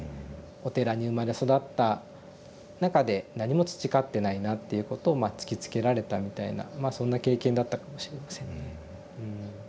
お寺に生まれ育った中で何も培ってないなっていうことをまあ突きつけられたみたいなまあそんな経験だったかもしれませんね。